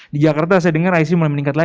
di jakarta saya dengar icu mulai meningkatkan